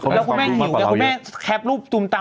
แล้วคุณแม่หิวไงคุณแม่แคปรูปตูมตาม